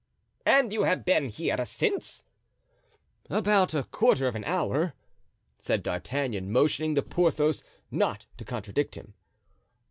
"And you have been here since——" "About a quarter of an hour," said D'Artagnan, motioning to Porthos not to contradict him.